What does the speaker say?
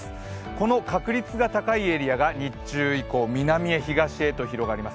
この確率が高いエリアが日中以降、南へ東へと広がります。